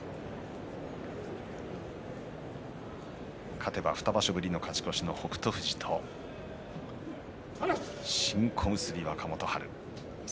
勝てば２場所ぶりの勝ち越しの北勝富士と新小結若元春。